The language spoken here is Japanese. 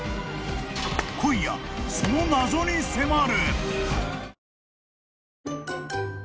［今夜その謎に迫る］